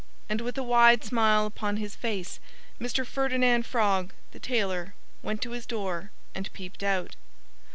And with a wide smile upon his face Mr. Ferdinand Frog, the tailor, went to his door and peeped out.